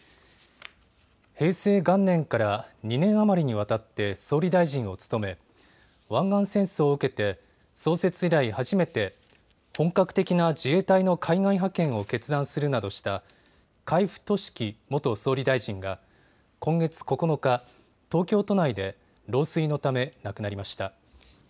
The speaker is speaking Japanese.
平成元年から２年余りにわたって総理大臣を務め湾岸戦争を受けて創設以来、初めて本格的な自衛隊の海外派遣を決断するなどした海部俊樹元総理大臣が今月９日、東京都内で老衰のため亡くなりました。